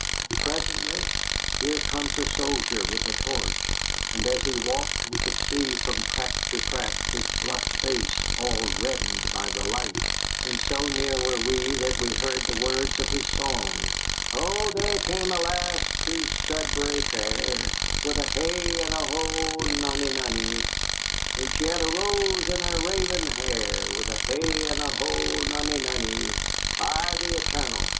Presently here comes a soldier with a torch, and as he walked we could see from crack to crack his bluff face all reddened by the light, and so near were we that we heard the words of his song: "O, there came a lass to Sudbury Fair, With a hey, and a ho, nonny nonny! And she had a rose in her raven hair, With a hey, and a ho, nonny nonny!" "By the etarnal!"